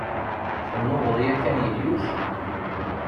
Tennuɣeḍ yakan yelli-k?